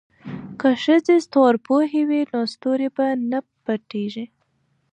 که ښځې ستورپوهې وي نو ستوري به نه پټیږي.